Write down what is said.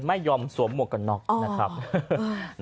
ไม่ยอมสวมหมวกกับนก